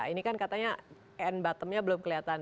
ini kan katanya end bottom nya belum kelihatan